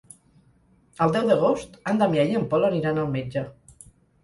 El deu d'agost en Damià i en Pol aniran al metge.